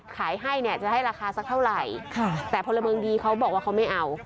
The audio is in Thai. ขายให้เนี่ยจะให้ราคาสักเท่าไหร่แต่พลเมืองดีเขาบอกว่าเขาไม่เอา